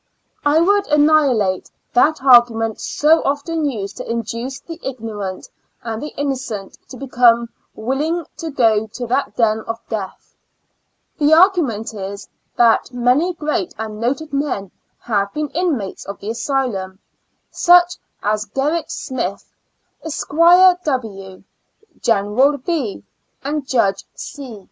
I would annihilate that argument so often •used to induce the ignorant and the innocent to become willing to go to that den of death! The argument is, that many great and noted men have been inmates of the asylum, such as Gerrit Smith, Esquire W., General B. and Judge C.